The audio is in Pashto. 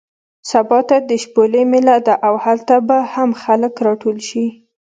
سبا ته د شپولې مېله ده او هلته به هم خلک راټول شي.